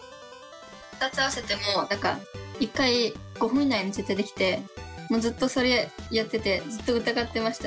２つ合わせても何か１回５分以内に絶対できてもうずっとそれやっててずっと疑ってました。